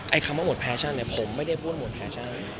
คำว่าหมดแฟชั่นเนี่ยผมไม่ได้พูดหมดแฟชั่น